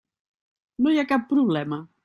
No hi ha cap problema.